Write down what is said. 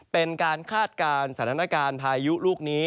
คาดการณ์สถานการณ์พายุลูกนี้